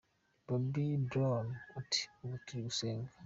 Bobbi Brown ati “Ubu turi gusenga”.